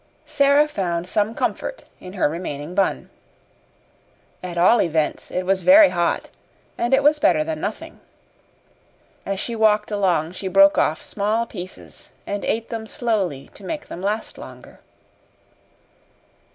Sara found some comfort in her remaining bun. At all events, it was very hot, and it was better than nothing. As she walked along she broke off small pieces and ate them slowly to make them last longer.